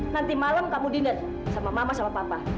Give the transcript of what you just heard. nanti malam kamu diingat sama mama sama papa